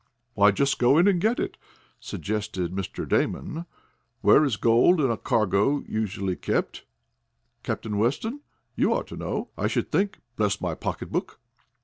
"Why, just go in and get it," suggested Mr. Damon. "Where is gold in a cargo usually kept, Captain Weston? You ought to know, I should think. Bless my pocketbook!"